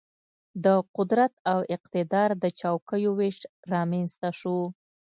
د قدرت او اقتدار د چوکیو وېش رامېنځته شو.